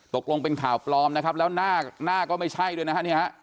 ตกลงเป็นข่าวปลอมนะครับแล้วหน้าก็ไม่ใช่ด้วยนะฮะเนี่ยฮะ